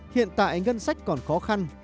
hiện tại ngân sách còn khó khăn